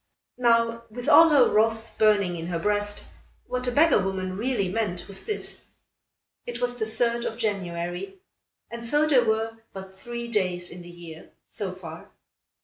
Now with all her wrath burning in her breast, what the beggar woman really meant was this: It was the third of January, and so there were but three days in the year, so far.